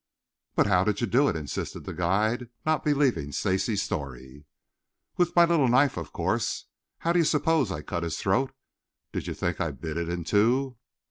"But how did you do it?" insisted the guide, not believing Stacy's story. "With my little knife, of course. How did you suppose I cut his throat? Did you think I bit it in two?"